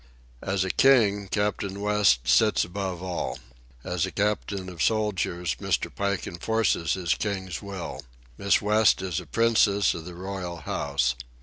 As a king, Captain West sits above all. As a captain of soldiers, Mr. Pike enforces his king's will. Miss West is a princess of the royal house.